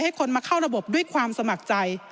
คนมาเข้าระบบด้วยความสมัครใจ